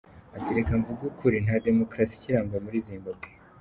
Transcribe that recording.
Ati “ Reka mvuge ukuri, nta demokarasi ikirangwa muri Zimbabwe.